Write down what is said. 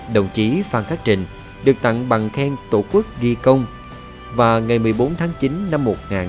đồng chí phan khắc trình được tặng bằng khen tổ quốc ghi công và ngày một mươi bốn tháng chín năm một nghìn chín trăm năm mươi hai